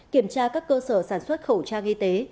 kiểm tra các cơ sở sản xuất khẩu trang y tế